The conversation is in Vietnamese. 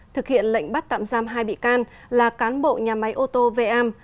thực hiện lệnh bắt tạm giam hai bị can là cán bộ nhà máy ô tô vam